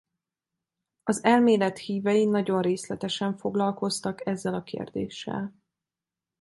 Az elmélet hívei nagyon részletesen foglalkoztak ezzel a kérdéssel.